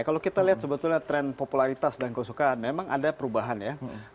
kalau kita lihat sebetulnya tren popularitas dan kesukaan memang ada perubahan ya